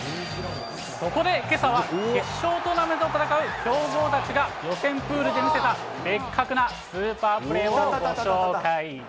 そこでけさは、決勝トーナメントを戦う強豪たちが予選プールで見せたベッカクなスーパープレーをご紹介。